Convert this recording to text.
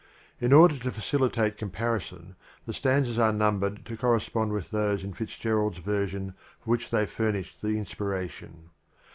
In order to facilitate comparison, the stanzas are numbered to correspond with those in FitzGerald's version for which they furnished the in spiration.